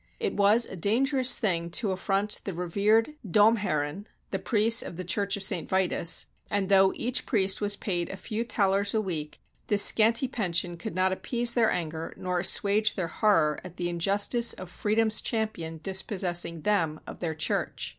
It was a danger ous thing to affront the revered "Domherren," the priests of the Church of St. Vitus; and though each priest was paid a few thaler s a week, this scanty pension could not appease their anger nor assuage their horror at the injustice of Freedom's champion dispossessing them of their church.